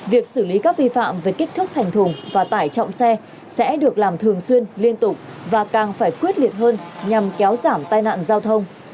việc xử lý các vi phạm về kích thước thành thùng và tải trọng xe sẽ được làm thường xuyên liên tục và càng phải quyết liệt hơn nhằm kéo giảm tai nạn giao thông